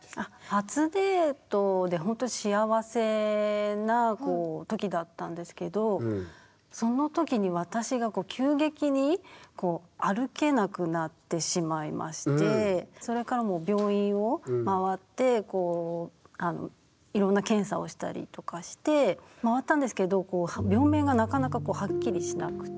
初デートでほんとに幸せな時だったんですけどその時に私がそれからもう病院を回ってこういろんな検査をしたりとかして回ったんですけど病名がなかなかはっきりしなくて。